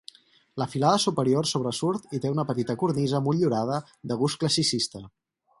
La filada superior sobresurt i té una petita cornisa motllurada de gust classicista.